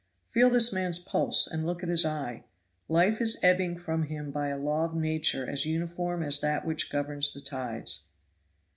Feel this man's pulse and look at his eye. Life is ebbing from him by a law of Nature as uniform as that which governs the tides."